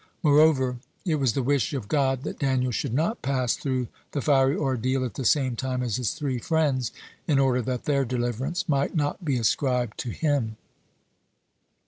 Moreover, it was the wish of God that Daniel should not pass through the fiery ordeal at the same time as his three friends, in order that their deliverance might not be ascribed to him.